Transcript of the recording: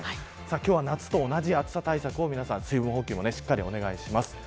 今日は、夏と同じ暑さ対策を水分補給もしっかりお願いします。